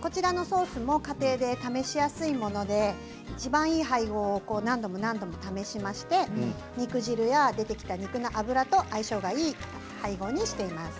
こちらのソースも家庭で試しやすいものでいちばんいい配合を何度も何度も試しまして肉汁や出てきた脂と相性のいい配合にしてあります。